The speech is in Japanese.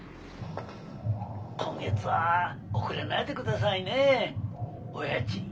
「今月は遅れないで下さいねお家賃」。